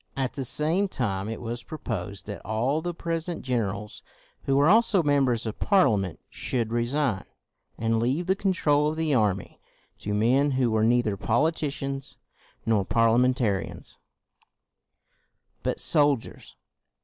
At the same time it was proposed that all the present gen erals who were also members of Parlia ment should resign, and leave the control of the army to men who were neither 248 CROMWELL politicians nor Parliamentarians, but sol diers.